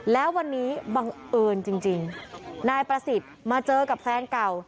แล้ววันนี้บังเอิญจริงนายประสิทธิ์มาเจอกับแฟนเก่า